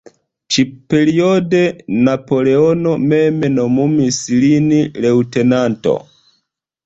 Ĉi-periode Napoleono mem nomumis lin leŭtenanto.